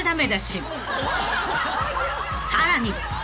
［さらに］